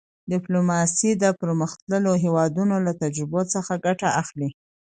ډیپلوماسي د پرمختللو هېوادونو له تجربو څخه ګټه اخلي.